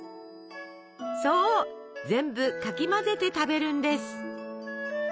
そう全部かき混ぜて食べるんです。